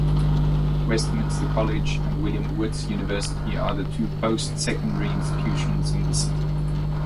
Westminster College and William Woods University are the two post-secondary institutions in the city.